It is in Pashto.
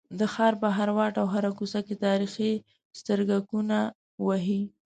د ښار په هر واټ او هره کوڅه کې تاریخ سترګکونه وهي.